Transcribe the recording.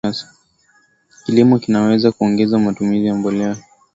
Kilimo kinaweza kuongeza matumizi ya mbolea na kukimbia